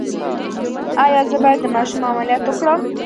ایا زه باید د ماشوم عملیات وکړم؟